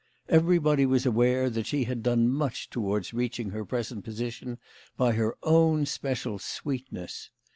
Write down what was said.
Everybody was aware that she had done much towards reaching her present position by her own special sweetness.